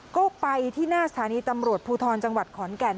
ก็ไปที่หน้าสถานีตำรวจภูทรจังหวัดขอนแก่น